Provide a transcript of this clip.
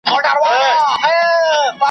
پرون د جنوري پر یوولسمه ,